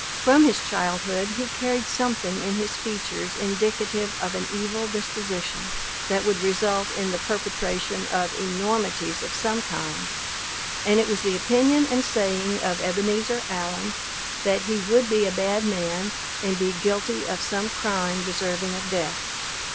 From his childhood, he carried something in his features indicative of an evil disposition, that would result in the perpetration of enormities of some kind; and it was the opinion and saying of Ebenezer Allen, that he would be a bad man, and be guilty of some crime deserving of death.